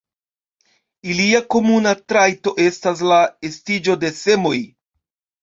Ilia komuna trajto estas la estiĝo de semoj.